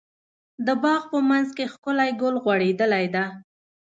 د باغ په منځ کې ښکلی ګل غوړيدلی ده.